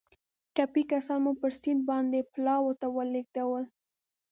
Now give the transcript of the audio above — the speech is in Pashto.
ټپي کسان مو پر سیند باندې پلاوا ته ولېږدول.